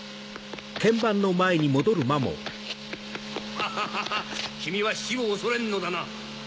ハハハハ君は死を恐れんのだな。